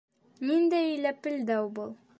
Ниндәй ләпелдәү был?